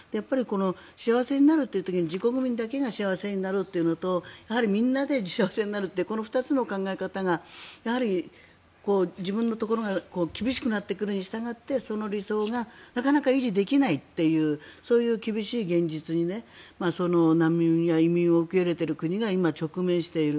幸せになるという時に自国民だけが幸せになるというのとみんなで幸せになるってこの２つの考え方がやはり自分のところが厳しくなってくるにしたがってその理想がなかなか維持できないというそういう厳しい現実に難民や移民を受け入れている国が今、直面している。